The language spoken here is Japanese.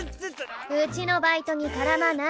うちのバイトに絡まない。